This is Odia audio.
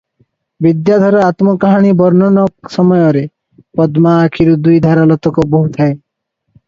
ବିଦ୍ୟାଧର ଆତ୍ମକାହାଣୀ ବର୍ଣ୍ଣନ ସମୟରେ ପଦ୍ମା ଆଖିରୁ ଦୁଇଧାର ଲୋତକ ବହୁଥାଏ ।